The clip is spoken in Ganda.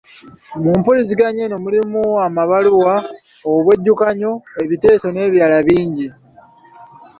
Mu mpuliziganya eno mulimu amabaluwa, obwejjukanyo, ebiteeso n'ebirala bingi.